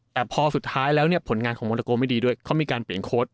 แต่พอสุดท้ายแล้วเนี่ยผลงานของโมนาโกไม่ดีด้วยเขามีการเปลี่ยนโค้ด